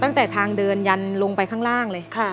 ตั้งแต่ทางเดินยันลงไปข้างล่างเลย